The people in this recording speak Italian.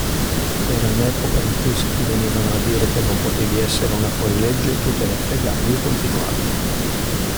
Era un'epoca in cui se ti venivano a dire che non potevi essere una fuorilegge, tu te ne fregavi e continuavi.